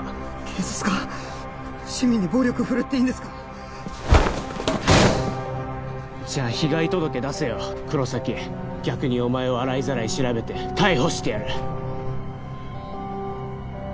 警察が市民に暴力ふるっていいんですかじゃあ被害届出せよ黒崎逆にお前を洗いざらい調べて逮捕してやる